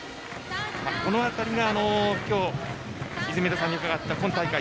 この辺りが今日、泉田さんに伺った今大会